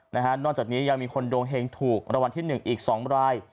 น่าจากนี้ยังมีคนโดงเห็งถูกระวัลที่๑อีก๒มาราย